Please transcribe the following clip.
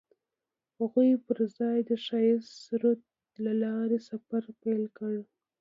هغوی یوځای د ښایسته سرود له لارې سفر پیل کړ.